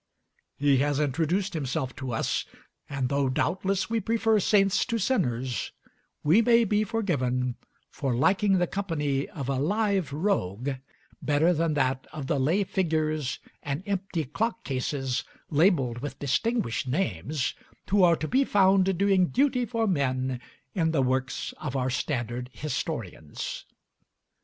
He has introduced himself to us, and though doubtless we prefer saints to sinners, we may be forgiven for liking the company of a live rogue better than that of the lay figures and empty clock cases labeled with distinguished names, who are to be found doing duty for men in the works of our standard historians.